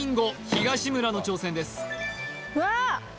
東村の挑戦ですわあっ！